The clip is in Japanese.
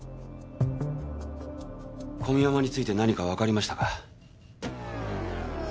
小宮山について何かわかりましたか？